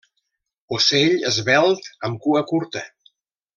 Ocell esvelt amb cua curta.